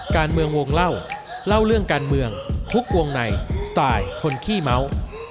การเมืองวงเล่าเล่าเรื่องการเมืองคุกวงในคนขี้เมาะ